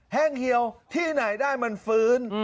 แห้งเฮียวที่ไหนได้มันฟื้น